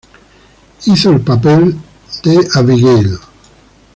Hizo el papel se Abigail.